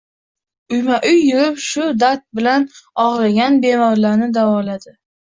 Uyma-uy yurib shu dard bilan ogʻrigan bemorlarni davoladi.